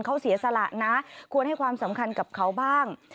เขาเสียสละนะควรให้ความสำคัญกับเขาบ้าง